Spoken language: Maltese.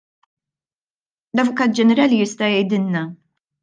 L-Avukat Ġenerali jista' jgħidilna.